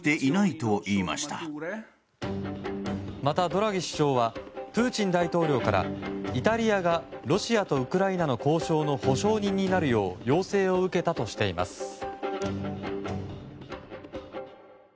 また、ドラギ首相はプーチン大統領からイタリアがロシアとウクライナの交渉の保証人になるよう要請を受けたとしています。